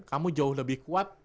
kamu jauh lebih kuat